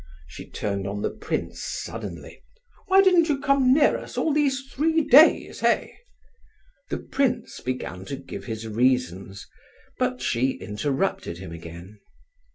she turned on the prince suddenly. "Why didn't you come near us all these three days, eh?" The prince began to give his reasons, but she interrupted him again.